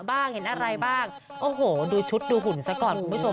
เห็นอะไรบ้างโอ้โหดูชุดดูหุ่นซะก่อนคุณผู้ชม